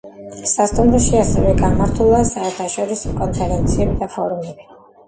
სასტუმროში ასევე გამართულა საერთაშორისო კონფერენციები და ფორუმები.